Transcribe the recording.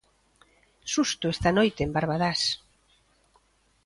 Susto esta noite en Barbadás.